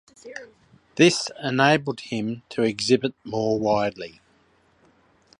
This enabled him to exhibit more widely.